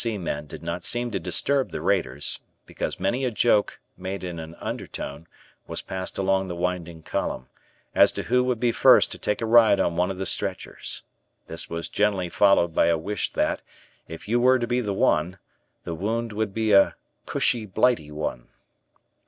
C. men did not seem to disturb the raiders, because many a joke, made in an undertone, was passed along the winding column, as to who would be first to take a ride on one of the stretchers. This was generally followed by a wish that, if you were to be the one, the wound would be a "cushy Blighty one."